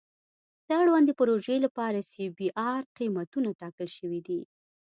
د اړوندې پروژې لپاره سی بي ار قیمتونه ټاکل شوي دي